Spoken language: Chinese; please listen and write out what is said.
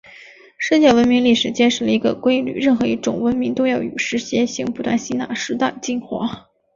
世界文明历史揭示了一个规律：任何一种文明都要与时偕行，不断吸纳时代精华。